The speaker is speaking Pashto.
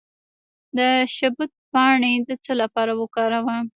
د شبت پاڼې د څه لپاره وکاروم؟